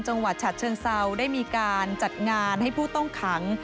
จังหวัดฉัดเชิงเซาได้มีการจัดงานให้ผู้ต้องขัง